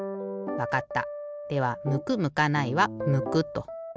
わかった。